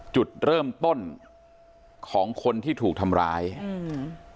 จุดเริ่มต้นของคนที่ถูกทำร้ายอืม